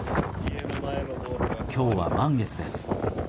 今日は満月です。